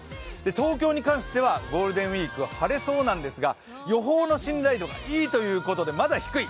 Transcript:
東京に関してはゴールデンウイークは晴れそうなんですが、予報の信頼度がＥということでまだ低い。